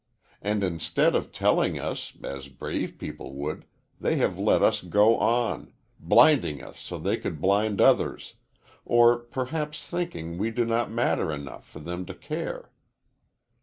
And instead of telling us, as brave people would, they have let us go on blinding us so they could blind others, or perhaps thinking we do not matter enough for them to care.